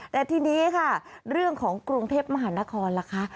แต่ทีนี้ค่ะเรื่องของกรุงเทพมหานครล่ะคะ